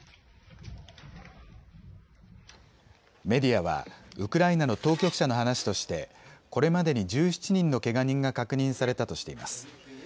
メディアはウクライナの当局者の話としてこれまでに１７人のけが人が確認されたとしています。